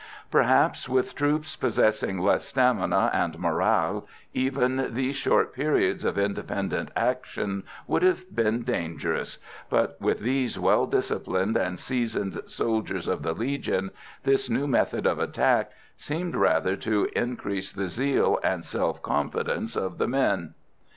Perhaps with troops possessing less stamina and morale, even these short periods of independent action would have been dangerous, but with these well disciplined and seasoned soldiers of the Legion this new method of attack seemed rather to increase the zeal and self confidence of the men.